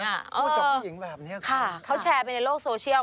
พูดกับผู้หญิงแบบนี้ค่ะเขาแชร์ไปในโลกโซเชียล